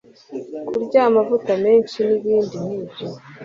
kurya amavuta menshi n’ibindi nk'ibyo